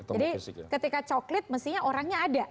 jadi ketika coklit mestinya orangnya ada